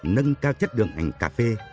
nâng cao chất đường hành cà phê